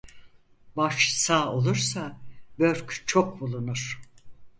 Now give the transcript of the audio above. Baş sağ olursa börk çok bulunur.